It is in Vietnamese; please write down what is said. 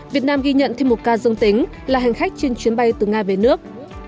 việt nam ghi nhận thêm một ca dương tính là hành khách trên chuyến bay từ nga về nước